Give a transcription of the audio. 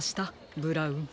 ブラウン。